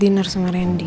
dinner sama randy